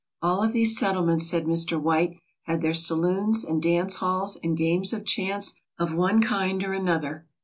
"All of these settlements/' said Mr. White, "had their saloons and dance halls and games of chance of one kind or another.